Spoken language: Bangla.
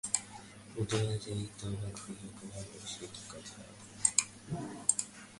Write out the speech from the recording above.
উদয়াদিত্য অবাক হইয়া কহিলেন, সে কী কথা।